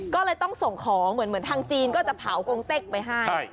ก็เลยต้องส่งของเหมือนทางจีนก็จะเผากงเต็กไปให้